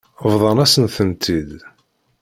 Bḍan-asen-tent-id.